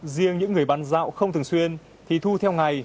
riêng những người bán dạo không thường xuyên thì thu theo ngày